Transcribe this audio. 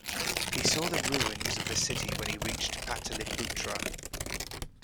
He saw the ruins of the city when he reached Pataliputra.